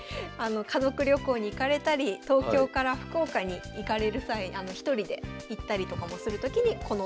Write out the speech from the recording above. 家族旅行に行かれたり東京から福岡に行かれる際１人で行ったりとかもするときにこのトヨカーで。